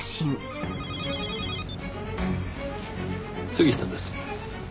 杉下です。